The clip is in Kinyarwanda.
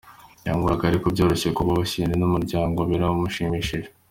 Byangoraga ariko byoroshye, kuba banyishyuriye n’umuryango biranshimishije.